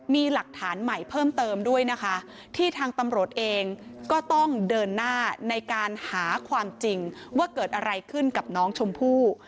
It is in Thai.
มีหลักฐานใหม่เพิ่มเติมด้วยนะคะที่ทางตำรวจเองก็ต้องเดินหน้าในการหาความจริงว่าเกิดอะไรขึ้นกับน้องชมพู่